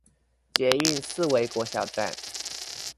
捷運四維國小站